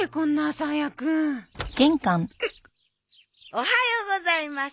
おはようございます。